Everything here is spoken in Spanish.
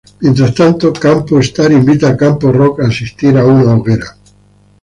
Mientras tanto, Camp Star invita a Camp Rock a asistir a una hoguera.